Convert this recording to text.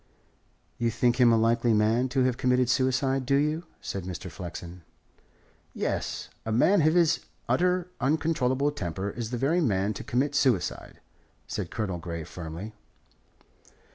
"You think him a likely man to have committed suicide, do you?" said Mr. Flexen. "Yes. A man of his utterly uncontrollable temper is the very man to commit suicide," said Colonel Grey firmly.